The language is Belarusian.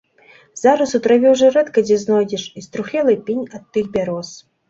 Зараз у траве ўжо рэдка дзе знойдзеш і струхлелы пень ад тых бяроз.